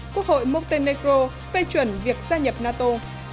quốc hội montenegro phê chuẩn việc gia nhập nato